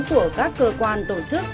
của các cơ quan tổ chức